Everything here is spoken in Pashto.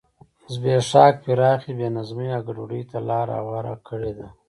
زبېښاک پراخې بې نظمۍ او ګډوډۍ ته لار هواره کړې ده.